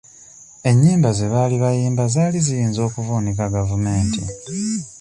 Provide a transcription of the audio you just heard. Ennyimba ze baali bayimba zaali ziyinza okuvuunika gavumenti.